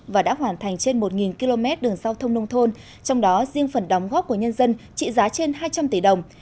và đã hoàn thành trên một km đường giao thông nông thôn trong đó riêng phần đóng góp của nhân dân trị giá trên hai trăm linh tỷ đồng